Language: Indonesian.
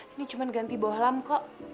ini cuma ganti bawah lam kok